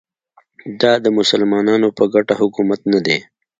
دا د مسلمانانو په ګټه حکومت نه دی